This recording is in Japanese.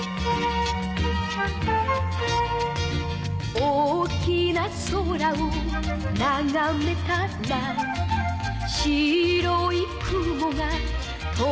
「大きな空をながめたら」「白い雲が飛んでいた」